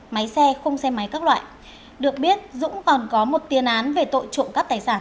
máy xe khung xe máy các loại được biết dũng còn có một tiền án về tội trộm cắp tài sản